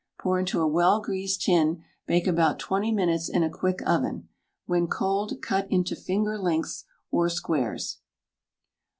Put into a well greased tin, bake about 20 minutes in a quick oven. When cold cut into finger lengths or squares.